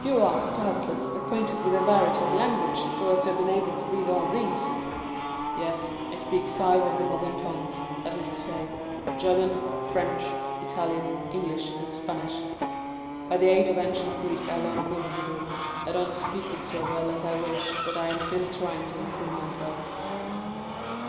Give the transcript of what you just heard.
"You are, doubtless, acquainted with a variety of languages, so as to have been able to read all these?" "Yes, I speak five of the modern tongues—that is to say, German, French, Italian, English, and Spanish; by the aid of ancient Greek I learned modern Greek—I don't speak it so well as I could wish, but I am still trying to improve myself."